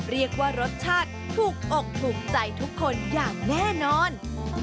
เรียกว่ารสชาติถูกอกถูกใจทุกคนอย่างแน่นอน